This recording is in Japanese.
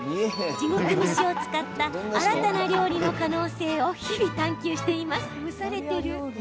地獄蒸しを使った新たな料理の可能性を日々、探求しています。